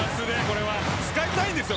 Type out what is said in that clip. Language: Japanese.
使いたいんですよ